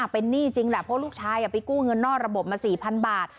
เป็นหนี้จริงแหละเพราะลูกชายไปกู้เงินนอกระบบมา๔๐๐๐บาท